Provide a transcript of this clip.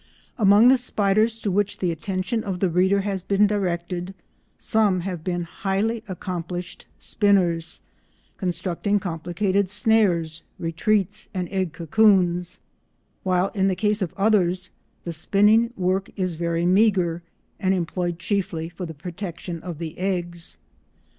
Among the spiders to which the attention of the reader has been directed, some have been highly accomplished spinners, constructing complicated snares, retreats and egg cocoons, while in the case of others the spinning work is very meagre and employed chiefly for the protection of the eggs.